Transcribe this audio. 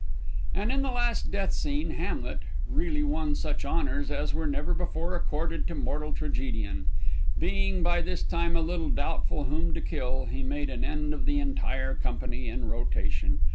And in the last death scene Hamlet really won such honors as were never before accorded to mortal tragedian; being by this time a little doubtful whom to kill, he made an end of the entire company in rotation.